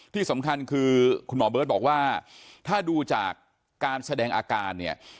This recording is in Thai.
ที่สำคัญคือคุณหมอเบิร์ตบอกว่าถ้าดูจากการแสดงอาการเนี่ย